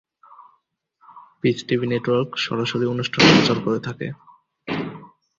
Piece TV network সরাসরি অনুষ্ঠান প্রচার করে থাকে।